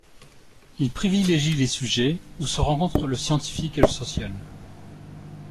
Il privilégie les sujets où se rencontrent le scientifique et le social.